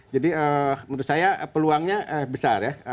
jadi menurut saya peluangnya besar ya